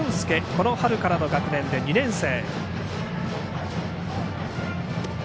この春からの学年で２年生。